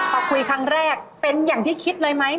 พอคุยครั้งแรกเป็นอย่างที่คิดเลยไหม